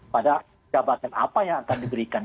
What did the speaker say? pada jabatan apa yang akan diberikan